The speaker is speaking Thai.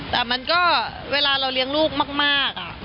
แต่มันก็เวลาเราเลี้ยงลูกมาก